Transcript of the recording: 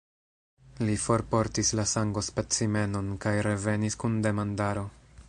Li forportis la sangospecimenon, kaj revenis kun demandaro.